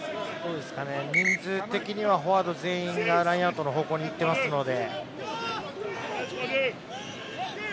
人数的にはフォワード全員がラインアウトの方向に行っていますので。